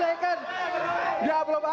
waduh udah semua